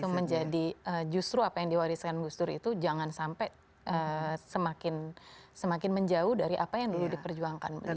menjadi justru apa yang diwariskan gus dur itu jangan sampai semakin menjauh dari apa yang dulu diperjuangkan